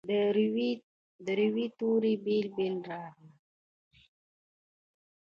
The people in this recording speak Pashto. د روي توري یې بیل بیل راغلي.